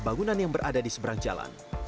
bangunan yang berada di seberang jalan